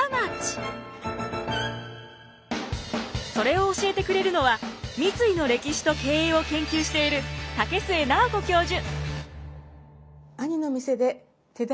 それを教えてくれるのは三井の歴史と経営を研究している武居奈緒子教授。